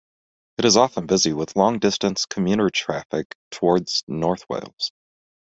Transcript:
It is often busy with long-distance commuter traffic towards North Wales.